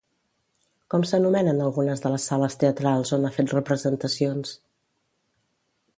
Com s'anomenen algunes de les sales teatrals on ha fet representacions?